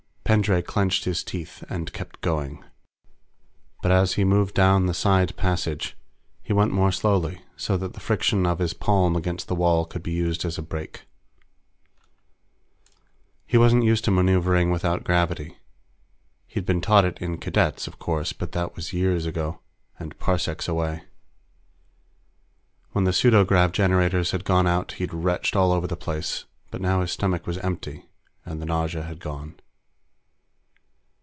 Pendray clenched his teeth and kept going. But as he moved down the side passage, he went more slowly, so that the friction of his palm against the wall could be used as a brake. He wasn't used to maneuvering without gravity; he'd been taught it in Cadets, of course, but that was years ago and parsecs away. When the pseudograv generators had gone out, he'd retched all over the place, but now his stomach was empty, and the nausea had gone.